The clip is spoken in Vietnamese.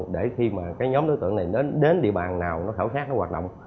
để khi mà cái nhóm đối tượng này đến địa bàn nào nó khảo sát nó hoạt động